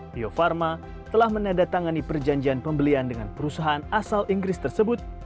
bio farma telah menandatangani perjanjian pembelian dengan perusahaan asal inggris tersebut